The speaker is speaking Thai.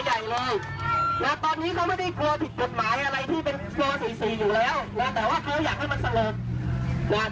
แต่ว่าเขาอยากให้มันเสมอ